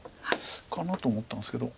かなと思ったんですけど。